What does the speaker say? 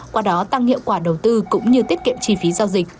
qua đó tăng hiệu quả đầu tư cũng như tiết kiệm chi phí giao dịch